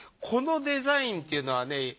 このデザインっていうのはね